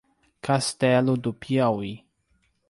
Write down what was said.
Castelo do Piauí